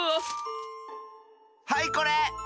はいこれ！